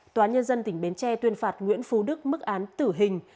tòa nhân dân tỉnh bến tre tuyên phạt nguyễn phú đức mức án tử hình